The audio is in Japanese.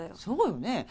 そうよね。